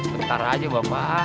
bentar aja bapak